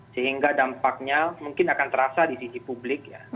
sehingga dampaknya mungkin akan terasa di sisi publik ya